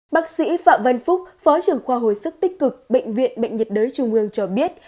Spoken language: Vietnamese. bác sĩ phạm văn phúc phó trưởng khoa hồi sức tích cực bệnh viện bệnh nhiệt đới trung ương cho biết